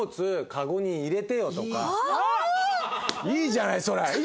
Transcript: いいじゃないそれ！